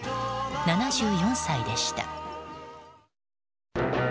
７４歳でした。